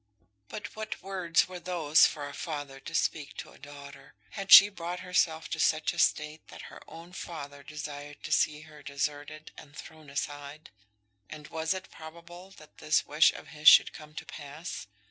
But what words were those for a father to speak to a daughter! Had she brought herself to such a state that her own father desired to see her deserted and thrown aside? And was it probable that this wish of his should come to pass?